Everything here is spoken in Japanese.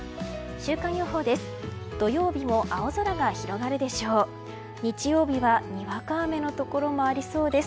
週間予報です。